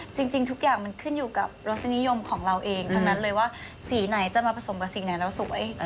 จริงทุกอย่างมันขึ้นอยู่กับรสนิยมของเราเองทั้งนั้นเลยว่าสีไหนจะมาผสมกับสีไหนแล้วสวย